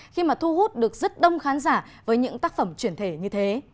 khi mà thu hút được rất đông khán giả với những tác phẩm chuyển thể như thế